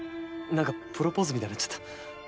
なんかプロポーズみたいになっちゃった。